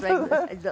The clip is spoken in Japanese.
どうぞ。